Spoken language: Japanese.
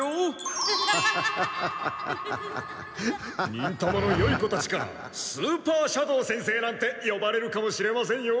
忍たまのよい子たちからスーパー斜堂先生なんて呼ばれるかもしれませんよ！